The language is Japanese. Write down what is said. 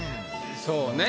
そうね